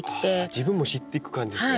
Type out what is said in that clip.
自分も知っていく感じですね。